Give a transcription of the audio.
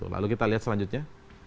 lalu kita lihat selanjutnya